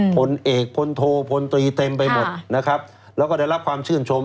พลเอกพลโทพลตรีเต็มไปหมดนะครับแล้วก็ได้รับความชื่นชม